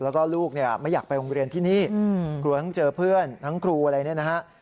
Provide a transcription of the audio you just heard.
แล้วก็ลูกเนี่ยไม่อยากไปโรงเรียนที่นี่กลัวทั้งเจอเพื่อนทั้งครูอะไรเนี่ยนะฮะ